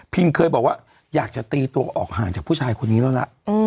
เคยบอกว่าอยากจะตีตัวออกห่างจากผู้ชายคนนี้แล้วนะ